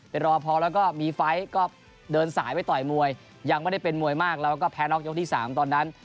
รอพอแล้วก็มีไฟล์ก็เดินสายไปต่อยมวยยังไม่ได้เป็นมวยมากแล้วก็แพ้น็อกยกที่๓ตอนนั้น